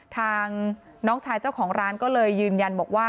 ทางน้องชายเจ้าของร้านก็เลยยืนยันบอกว่า